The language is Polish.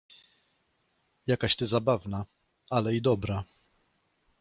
— Jakaś ty zabawna… ale i dobra!